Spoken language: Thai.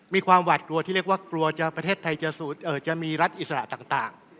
มีความหวาดกลัวที่เรียกว่ากลัวจะประเทศไทยจะมีรัฐอิสระต่าง